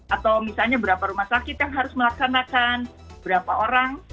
atau misalnya berapa rumah sakit yang harus melaksanakan berapa orang